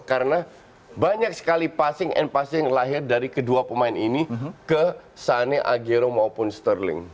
karena banyak sekali passing and passing lahir dari kedua pemain ini ke sané aguero maupun sterling